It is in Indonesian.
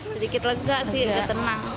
sedikit lega sih agak tenang